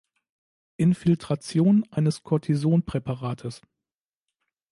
Infiltration eines Cortison-Präparates.